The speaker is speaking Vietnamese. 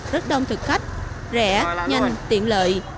rất đông thực khách rẻ nhanh tiện lợi